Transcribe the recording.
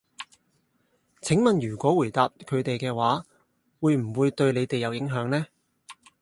請問如果回答佢哋嘅話，會唔會對你哋有影響呢？